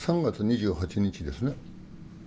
３月２８日ですね